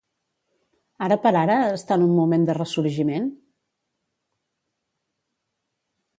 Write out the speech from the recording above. Ara per ara, està en un moment de ressorgiment?